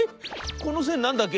この線何だっけ？